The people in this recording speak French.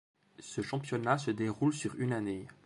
Ce championnat se déroule sur une année.